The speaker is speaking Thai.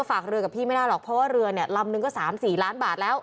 ฝากเรือกับพี่ไม่ได้หรอกเพราะว่าเรือเนี่ยลำนึงก็๓๔ล้านบาทแล้ว